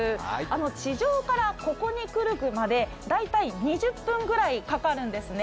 地上からここに来るまで２０分ぐらいかかるんですね。